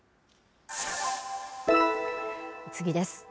次です。